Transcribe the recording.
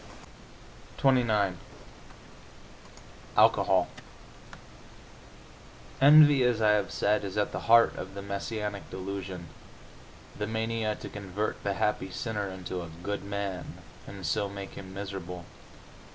XXIX ALCOHOL Envy, as I have said, is at the heart of the messianic delusion, the mania to convert the happy sinner into a "good" man, and so make him miserable.